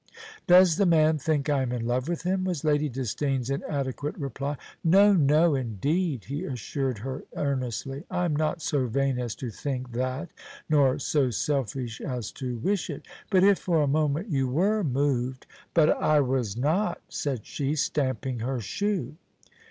"Does the man think I am in love with him?" was Lady Disdain's inadequate reply. "No, no, indeed!" he assured her earnestly. "I am not so vain as to think that, nor so selfish as to wish it; but if for a moment you were moved " "But I was not," said she, stamping her shoe.